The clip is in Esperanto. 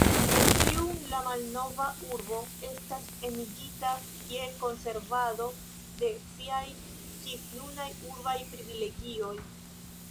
En tiun la malnova urbo estas enigita je konservado de siaj ĝisnunaj urbaj privilegioj.